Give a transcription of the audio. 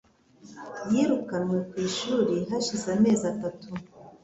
yirukanwe ku ishuri hashize amezi atatu.